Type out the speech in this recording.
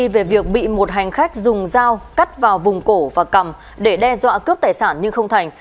về việc bị một hành khách dùng dao cắt vào vùng cổ và cầm để đe dọa cướp tài sản nhưng không thành